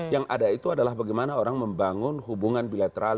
yang ada itu adalah bagaimana orang membangun hubungan bilateral